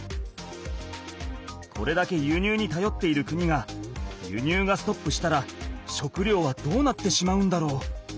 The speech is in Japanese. これだけ輸入にたよっている国が輸入がストップしたら食料はどうなってしまうんだろう？